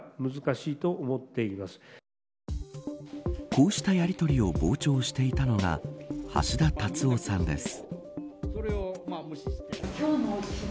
こうしたやりとりを傍聴していたのが橋田達夫さんです。